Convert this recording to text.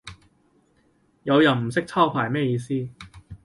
有人唔識抄牌咩意思